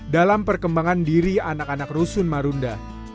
dalam perkembangan diri anak anak rusun marunda